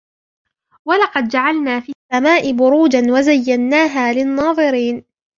وَلَقَدْ جَعَلْنَا فِي السَّمَاءِ بُرُوجًا وَزَيَّنَّاهَا لِلنَّاظِرِينَ